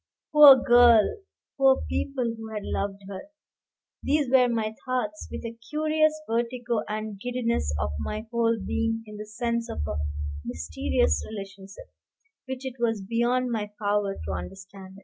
Poor girl! poor people who had loved her! These were my thoughts; with a curious vertigo and giddiness of my whole being in the sense of a mysterious relationship, which it was beyond my power to understand.